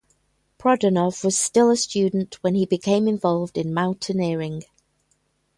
Prodanov was still a student when he became involved in mountaineering.